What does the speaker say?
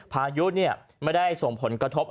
พายุไม่ได้ส่งผลกระทบ